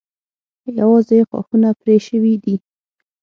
یوازې یې ښاخونه پرې شوي دي.